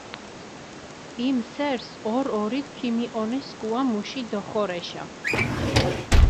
იმ სერს ორი-ორით ქიმიჸონეს სქუა მუში დოხორეშა.